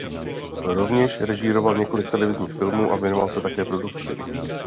Rovněž režíroval několik televizních filmů a věnoval se také produkci.